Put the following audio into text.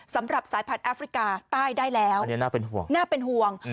สำหรับสายพันธแอฟริกาใต้ได้แล้วอันนี้น่าเป็นห่วงน่าเป็นห่วง